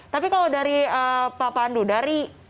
tapi kalau dari pak pandu dari